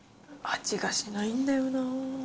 味がしないんだよな。